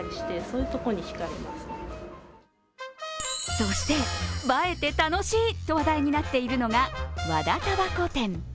そして映えて楽しいと話題になっているのが和田たばこ店。